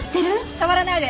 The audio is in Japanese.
触らないで！